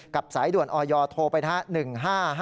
กลับสายด่วนออยโทรไปทั้ง๑๕๕๖